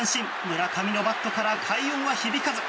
村上のバットから快音は響かず。